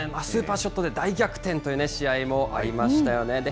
スーパーショットで、大逆転という試合もありましたよね。